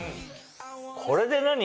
これで何？